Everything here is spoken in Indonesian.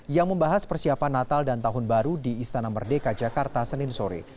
yang membahas persiapan natal dan tahun baru di istana merdeka jakarta senin sore